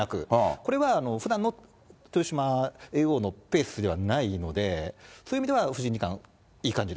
これはふだんの豊島叡王のペースではないので、そういう意味では藤井二冠、いい感じで。